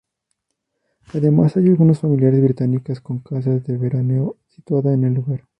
Además, hay algunas familias británicas con casas de veraneo situada en el lugar.